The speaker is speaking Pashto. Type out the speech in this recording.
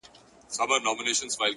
ستا دی که قند دی’